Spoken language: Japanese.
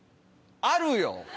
あるよ。